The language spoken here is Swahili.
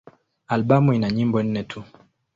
Albamu ina nyimbo nne tu.